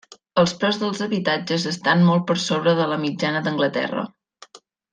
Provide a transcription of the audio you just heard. Els preus dels habitatges estan molt per sobre dels de la mitjana d'Anglaterra.